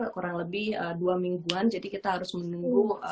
kurang lebih dua mingguan jadi kita harus menunggu